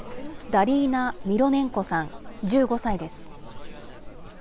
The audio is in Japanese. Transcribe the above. ダリーナ・ミロネンコさん１５歳です。